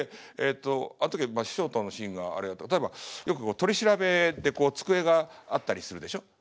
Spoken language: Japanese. あん時は師匠とのシーンがあれ例えば取り調べで机があったりするでしょ？